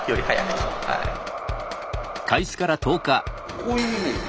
こういうイメージで。